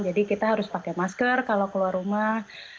jadi kita harus pakai masker kalau keluar rumah